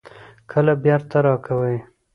کله بیرته راکوئ؟